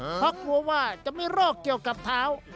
เพราะกลัวว่าจะไม่โรคเกี่ยวกับเท้า